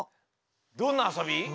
どんなあそび？